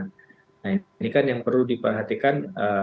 nah ini kan yang perlu diperhatikan